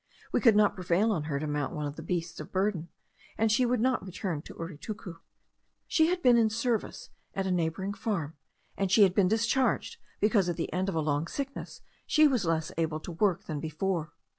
We could not prevail on her to mount one of our beasts of burden, and she would not return to Uritucu. She had been in service at a neighbouring farm; and she had been discharged, because at the end of a long sickness she was less able to work than before.